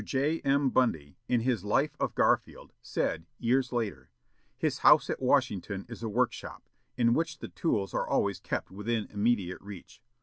J. M. Bundy, in his Life of Garfield, said, years later, "His house at Washington is a workshop, in which the tools are always kept within immediate reach.